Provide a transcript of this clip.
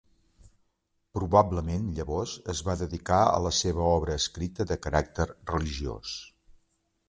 Probablement llavors es va dedicar a la seva obra escrita de caràcter religiós.